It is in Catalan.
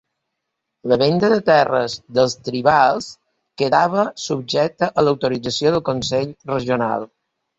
La venda de terres dels tribals quedava subjecte a l'autorització del consell regional.